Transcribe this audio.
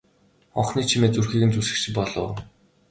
Хонхны чимээ зүрхийг нь зүсэх шиг болов.